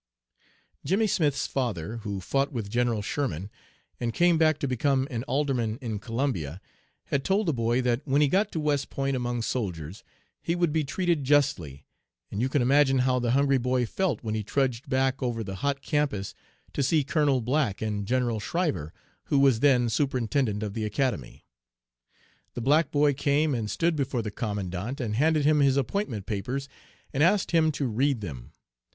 "Jimmy Smith's father, who fought with General Sherman, and came back to become an alderman in Columbia, had told the boy that when he got to West Point among soldiers he would be treated justly, and you can imagine how the hungry boy felt when he trudged back over the hot campus to see Colonel Black and General Schriver, who was then Superintendent of the Academy. "The black boy came and stood before the commandant and handed him his appointment papers and asked him to read them.